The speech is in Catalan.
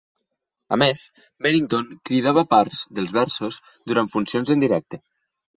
A més, Bennington cridava parts dels versos durant funcions en directe.